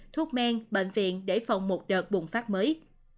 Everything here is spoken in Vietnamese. thuốc men bệnh viện để phòng một đợt bùng phát mới